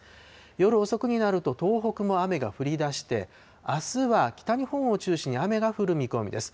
夜遅くになると東北も雨が降りだして、あすは北日本を中心に、雨が降る見込みです。